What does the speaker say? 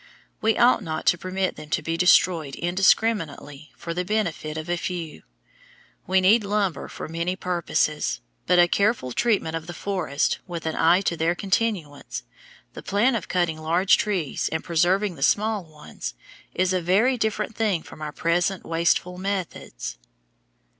We ought not to permit them to be destroyed indiscriminately for the benefit of a few. We need lumber for many purposes; but a careful treatment of the forests with an eye to their continuance, the plan of cutting large trees, and preserving the small ones, is a very different thing from our present wasteful methods.